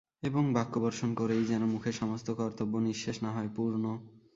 এবং বাক্যবর্ষণ করেই যেন মুখের সমস্ত কর্তব্য নিঃশেষ না হয়– পূর্ণ।